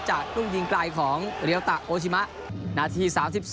ลูกยิงไกลของเรียวตะโอชิมะนาที๓๒